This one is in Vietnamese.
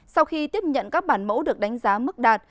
sau khi tiếp nhận các bản mẫu được đánh giá